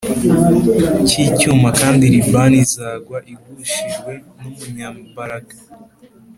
cy icyuma kandi Libani izagwa f igushijwe n umunyambaraga